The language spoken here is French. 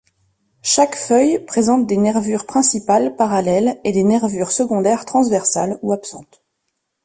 Chaque feuille présente des nervures principales parallèles et des nervures secondaires transversales ou absentes.